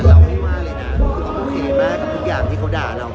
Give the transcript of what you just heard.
เราไม่ว่าเลยนะคือเขาโอเคมากกับทุกอย่างที่เขาด่าเรา